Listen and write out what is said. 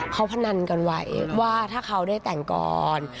เขาพนันกันไว้ว่าถ้าเขาได้แต่งก่อน